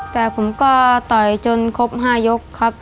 แต่ผมก็ต่อยจนครบ๕ยกครับ